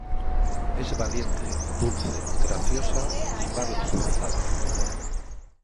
Es valiente, dulce, graciosa y mal juzgada.